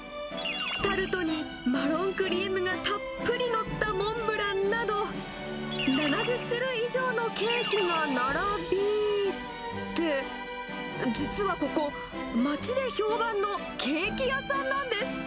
タルトにマロンクリームがたっぷり載ったモンブランなど、７０種類以上のケーキが並び、実はここ、街で評判のケーキ屋さんなんです。